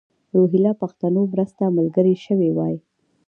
روهیله پښتنو مرسته ملګرې شوې وای.